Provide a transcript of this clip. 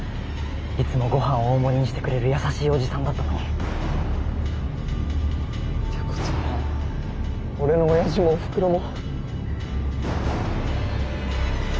いつもごはん大盛りにしてくれる優しいおじさんだったのに。ってことは俺のおやじもおふくろも。